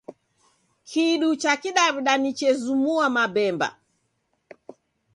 Kidu cha kidaw'ida ni chezumua mabemba.